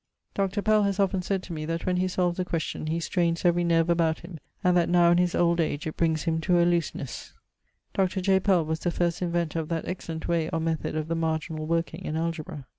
Dr. Pell haz often sayd to me that when he solves a question he straines every nerve about him, and that now in his old age it brings him to a loosenesse. Dr. J. Pell was the first inventor of that excellent way or method of the marginall working in algebra.